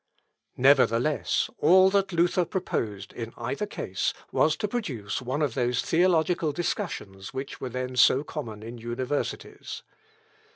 Nevertheless, all that Luther proposed in either case was to produce one of those theological discussions which were then so common in universities.